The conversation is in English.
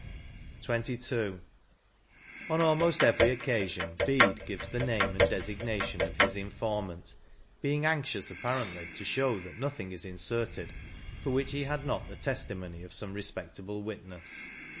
44 XXII. " On almost every occasion Bede gives the name and designation of his informant, heing anxious, apparently, to show that nothing is inserted for which he had not the testimony of some respect ahle witness.